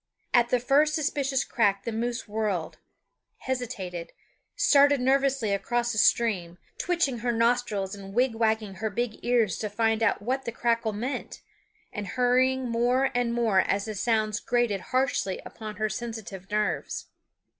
At the first suspicious crack the moose whirled, hesitated, started nervously across the stream, twitching her nostrils and wigwagging her big ears to find out what the crackle meant, and hurrying more and more as the sounds grated harshly upon her sensitive nerves.